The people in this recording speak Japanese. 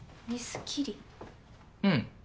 うん。